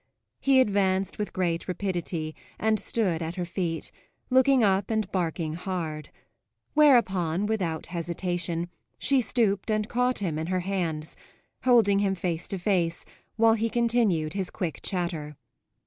He advanced with great rapidity and stood at her feet, looking up and barking hard; whereupon, without hesitation, she stooped and caught him in her hands, holding him face to face while he continued his quick chatter.